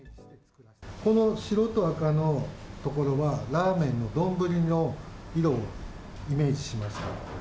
この白と赤の所は、ラーメンの丼の色をイメージしました。